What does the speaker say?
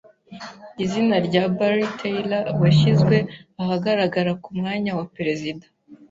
Izina rya Barry Taylor ryashyizwe ahagaragara ku mwanya wa perezida.